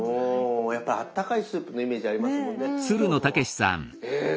やっぱりあったかいスープのイメージありますもんね。